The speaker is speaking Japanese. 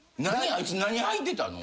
あいつ何履いてたの？